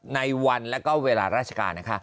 ในวันและเวลาราชการค่ะ